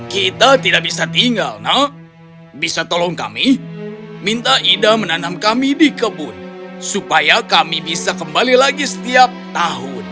kita tidak bisa tinggal nak bisa tolong kami minta ida menanam kami di kebun supaya kami bisa kembali lagi setiap tahun